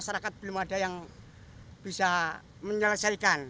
masyarakat belum ada yang bisa menyelesaikan